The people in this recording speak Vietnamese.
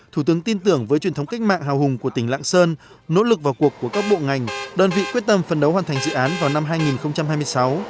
thủ tướng tin tưởng với truyền thống cách mạng hào hùng của tỉnh lạng sơn nỗ lực vào cuộc của các bộ ngành đơn vị quyết tâm phần đấu hoàn thành dự án vào năm hai nghìn hai mươi sáu